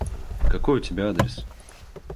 Какой у тебя адрес?